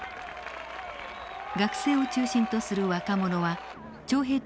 学生を中心とする若者は徴兵登録を拒否。